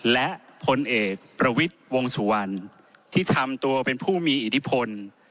และพลเอกประวิทย์วงสุวรรณที่ทำตัวเป็นผู้มีอิทธิพล